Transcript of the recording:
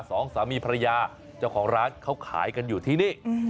สองสามีภรรยาเจ้าของร้านเขาขายกันอยู่ที่นี่